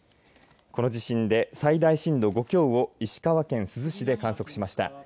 この地震で最大震度５強を石川県珠洲市で観測しました。